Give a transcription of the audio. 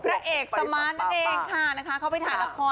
พระเอกสมาร์ทนั่นเองค่ะนะคะเขาไปถ่ายละคร